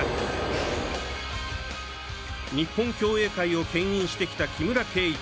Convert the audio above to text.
日本競泳界をけん引してきた木村敬一。